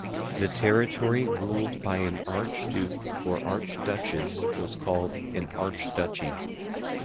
The territory ruled by an Archduke or Archduchess was called an Archduchy.